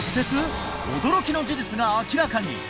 驚きの事実が明らかに！